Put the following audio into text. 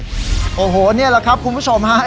โอ้โหนี่แหละครับคุณผู้ชมฮะ